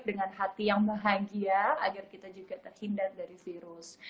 dengan hati yang bahagia agar kita juga terhindar dari virus